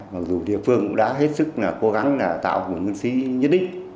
mặc dù địa phương cũng đã hết sức là cố gắng là tạo một ngân sĩ nhất đích